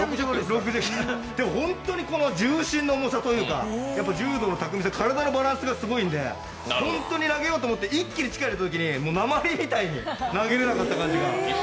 本当にこの重心の重さというか柔道の巧みさ、体のバランスがすごいんで本当に投げようと思って一気に力入れたときになまりみたいに投げられました。